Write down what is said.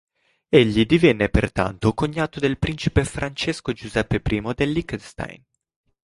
Egli divenne pertanto cognato del principe Francesco Giuseppe I del Liechtenstein.